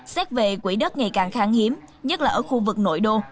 xét về quỹ đất ngày càng kháng hiếm nhất là ở khu vực nội đô